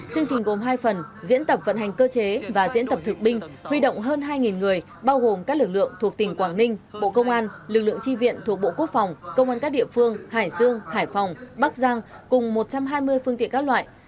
chương trình gồm hai phần diễn tập vận hành cơ chế và diễn tập thực binh huy động hơn hai người bao gồm các lực lượng thuộc tỉnh quảng ninh bộ công an lực lượng tri viện thuộc bộ quốc phòng công an các địa phương hải dương hải phòng bắc giang cùng một trăm hai mươi phương tiện các loại